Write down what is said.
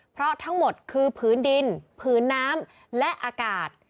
เพราะทั้งหมดคือผืนดินผืนน้ำและอากาศ